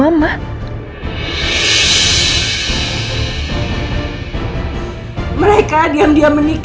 apa bandarasa ter smoother